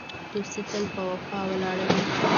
دوستي تل په وفا ولاړه وي.